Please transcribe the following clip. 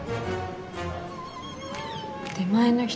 出前の人は？